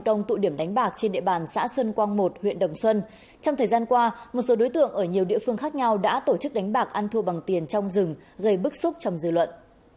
trong thời gian qua một số đối tượng ở nhiều địa phương khác nhau đã tổ chức đánh bạc ăn thua bằng tiền trong rừng gây bức xúc trong dư luận